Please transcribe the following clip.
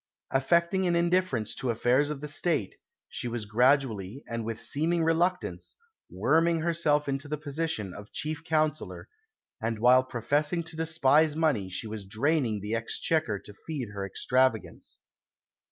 Affecting an indifference to affairs of State, she was gradually, and with seeming reluctance, worming herself into the position of chief Counsellor, and while professing to despise money she was draining the exchequer to feed her extravagance.